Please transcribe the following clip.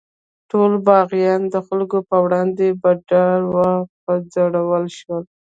ټول باغیان د خلکو په وړاندې په دار وځړول شول.